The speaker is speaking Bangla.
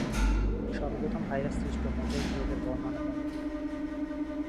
সর্বপ্রথম ভাইরাস সৃষ্ট মোজাইক রোগের বর্ণনা দেন কে?